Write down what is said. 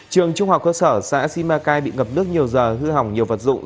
trường trung học cơ sở xã simacai bị ngập nước nhiều giờ hư hỏng nhiều vật dụng